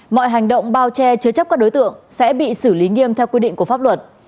mọi hành động bao che chứa chấp các đối tượng sẽ bị xử lý nghiêm theo quy định của pháp luật